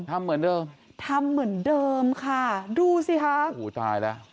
ทำเหมือนเดิมทำเหมือนเดิมค่ะดูสิคะโอ้โหตายแล้ว